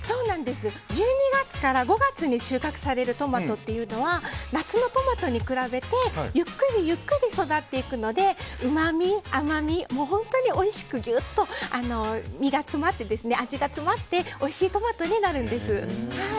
１２月から５月に収穫されるトマトというのは夏のトマトに比べてゆっくりゆっくり育っていくのでうまみ、甘み、本当においしくギュッと実が詰まって味が詰まっておいしいトマトになるんです。